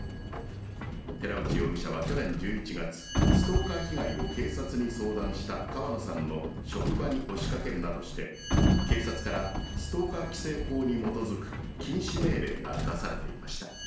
寺内容疑者は去年１１月ストーカー被害を警察に相談した川野さんの職場に押し掛けるなどして警察からストーカー規制法に基づく禁止命令が出されていました。